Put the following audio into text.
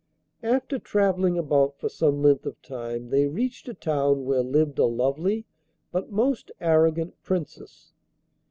After travelling about for some length of time they reached a town where lived a lovely but most arrogant Princess.